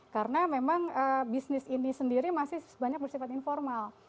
karena memang bisnis ini sendiri masih banyak bersifat informal